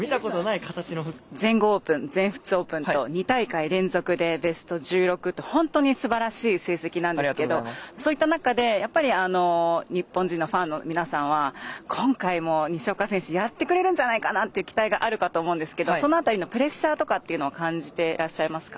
全豪オープン、全仏オープンと２大会連続でベスト１６と本当にすばらしい成績なんですけどそういった中で日本人のファンの皆さんは今回も、西岡選手やってくれるんじゃないかなという期待があるかと思うんですけど、その辺りのプレッシャーとかっていうのを感じてらっしゃいますか？